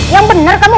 yang bener kamu